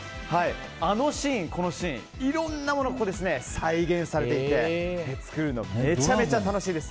あのシーン、このシーンいろんなものが再現されていて作るのめちゃめちゃ楽しいです。